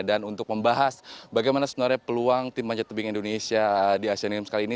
dan untuk membahas bagaimana sebenarnya peluang tim panjat tebing indonesia di asian games kali ini